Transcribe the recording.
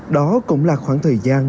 đó cũng là khoảng thời gian